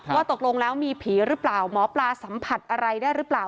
ว่าตกลงแล้วมีผีหรือเปล่าหมอปลาสัมผัสอะไรได้หรือเปล่า